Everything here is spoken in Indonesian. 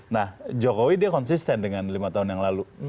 nah jokowi dia konsisten dengan lima tahun yang lalu